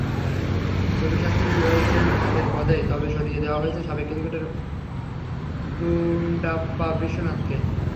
রবিশাস্ত্রী রয়েছেন আগের পদেই, তবে সরিয়ে দেওয়া হয়েছে সাবেক ক্রিকেটার গুন্ডাপ্পা বিশ্বনাথকে।